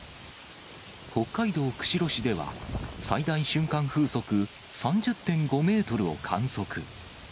北海道釧路市では、最大瞬間風速３０．５メートルを観測。